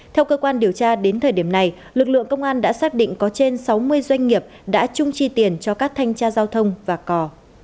theo cơ quan điều tra đến thời điểm này lực lượng công an đã xác định có trên sáu mươi doanh nghiệp đã chung chi tiền cho các thanh tra giao thông và cò